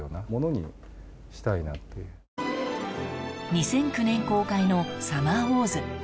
２００９年公開の『サマーウォーズ』